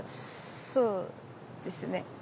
そうですね